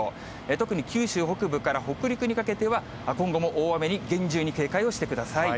特に九州北部から北陸にかけては、今後も大雨に厳重に警戒をしてください。